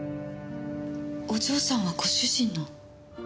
お嬢さんはご主人の。